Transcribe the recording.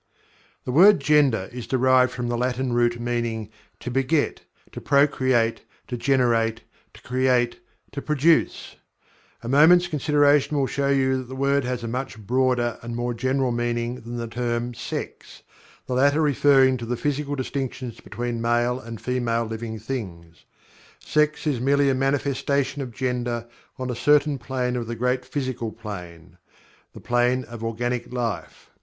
The word "Gender" is derived from the Latin root meaning "to beget; to procreate; to generate; to create; to produce." A moment's consideration will show you that the word has a much broader and more general meaning than the term "Sex," the latter referring to the physical distinctions between male and female living things. Sex is merely a manifestation of Gender on a certain plane of the Great Physical Plane the plane of organic life.